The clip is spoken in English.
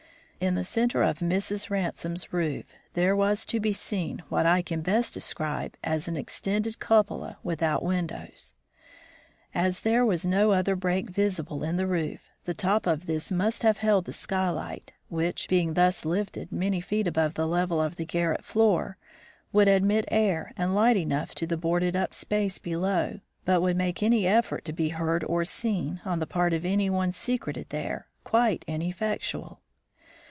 In the center of Mrs. Ransome's roof there was to be seen what I can best describe as an extended cupola without windows. As there was no other break visible in the roof, the top of this must have held the skylight, which, being thus lifted many feet above the level of the garret floor, would admit air and light enough to the boarded up space below, but would make any effort to be heard or seen, on the part of any one secreted there, quite ineffectual.